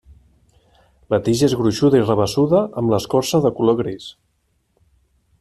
La tija és gruixuda i rabassuda amb l'escorça de color gris.